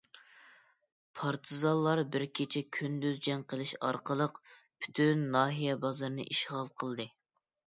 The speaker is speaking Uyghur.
پارتىزانلار بىر كېچە-كۈندۈز جەڭ قىلىش ئارقىلىق، پۈتۈن ناھىيە بازىرىنى ئىشغال قىلدى.